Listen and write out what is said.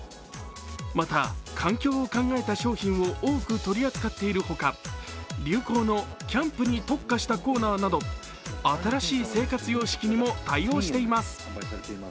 また、環境を考えた商品を多く取り扱っているほか、流行のキャンプに特化したコーナーなど新しい生活様式にも対応しています。